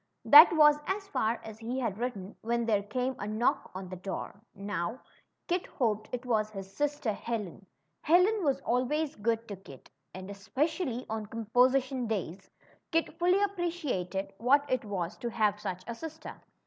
That was as far as he had written when there came a knock on the door. Now, Kit hoped it was his sister Helen. Helen was always good to Kit ; and, esjoecially on composition days, Kit fully appreciated what it was to have such a sister.